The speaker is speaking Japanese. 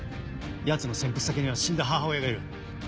ヤツの潜伏先には死んだ母親がいる。